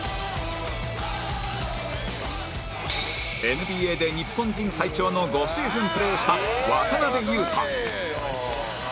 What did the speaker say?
ＮＢＡ で日本人最長の５シーズンプレーした渡邊雄太